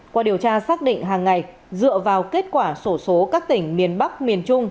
qua điều tra xác định hàng ngày dựa vào kết quả sổ số các tỉnh miền bắc miền trung